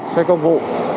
một xe công vụ